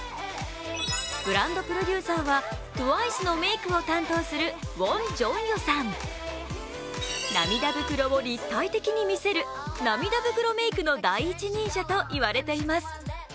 ブランドプロデューサーはＴＷＩＣＥのメイクを担当するウォン・ジョンヨさん涙袋を立体的に見せる涙袋メイクの第一人者と言われています。